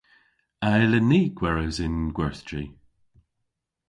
A yllyn ni gweres yn gwerthji?